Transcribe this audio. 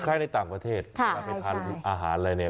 คล้ายในต่างประเทศถ้าเป็นทานอาหารอะไร